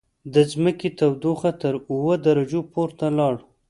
د ځمکې تودوخه تر اووه درجو پورته لاړه.